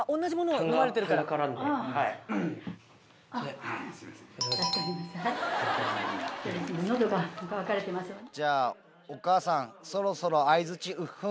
じゃあお母さんそろそろ。